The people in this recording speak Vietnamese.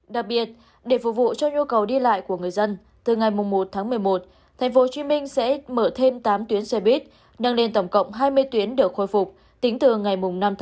đặc biệt để phục vụ cho nhu cầu đi lại của người dân từ ngày một tháng một mươi một tp hcm sẽ mở thêm tám tuyến xe buýt nâng lên tổng cộng hai mươi tuyến được khôi phục tính từ ngày năm tháng một mươi